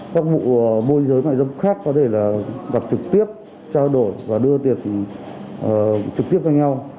các vụ môi giới mại dâm khác có thể là gặp trực tiếp trao đổi và đưa tiệc trực tiếp cho nhau